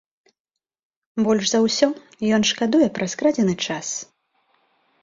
Больш за ўсё ён шкадуе пра скрадзены час.